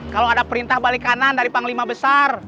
kalau ada perintah balik kanan dari panglima besar